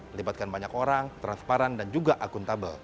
melibatkan banyak orang transparan dan juga akuntabel